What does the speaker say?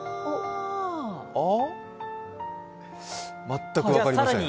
全く分かりません。